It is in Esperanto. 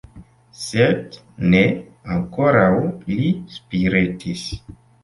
Sed ne; ankoraŭ li spiretis.